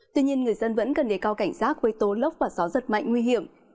tuy nhiên người dân vẫn cần đề cao cảnh giác với tố lốc và gió giật mạnh nguy hiểm